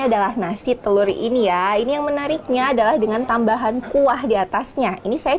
adalah nasi telur ini ya ini yang menariknya adalah dengan tambahan kuah diatasnya ini saya